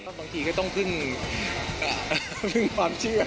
บางทีก็ต้องพึ่งความเชื่อ